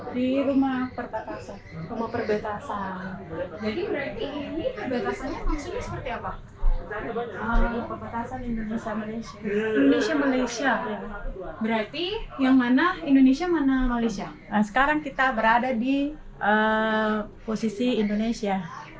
terus kita masuk ke dalam ini berdaya malaysia